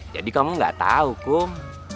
jadi kamu gak tahu kum